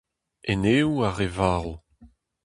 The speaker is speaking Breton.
Eneoù ar re varv.